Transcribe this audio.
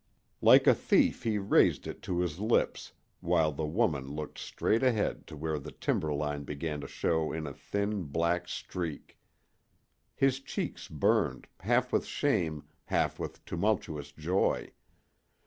Like a thief he raised it to his lips, while the woman looked straight ahead to where the timber line began to show in a thin, black streak. His cheeks burned, half with shame, half with tumultuous joy.